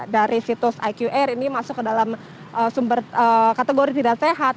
dari situs iqr ini masuk ke dalam sumber kategori tidak sehat